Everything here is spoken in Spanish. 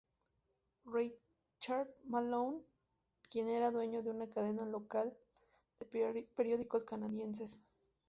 Richard Malone, quien era dueño de una cadena local de periódicos canadienses.